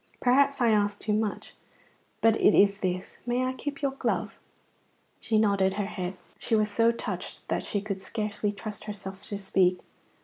"Perhaps I ask too much, but it is this: may I keep your glove?" She nodded her head; she was so touched that she could scarcely trust herself to speak.